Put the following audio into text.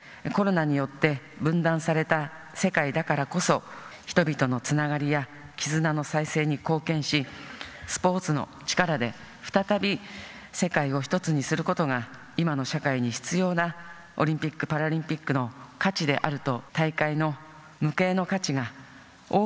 コロナによって分断された世界だからこそ人々のつながりや絆の再生に貢献しスポーツの力で再び世界を１つにすることが今の社会に必要なオリンピック・パラリンピックの価値であると。